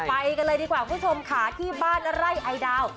ไปกันเลยดีกว่าคุณผู้ชมค่ะที่บ้านไร่ไอดาว